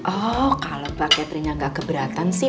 oh kalau pak catherinenya gak keberatan sih